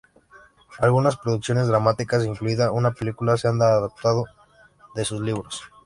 Algunas producciones dramáticas, incluida una película, se han adaptado de sus libros.